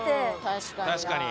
確かに。